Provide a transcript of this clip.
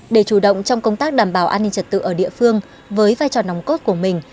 để chủ động trong công tác đảm bảo an ninh trật tự ở địa phương với vai trò nòng cốt của mình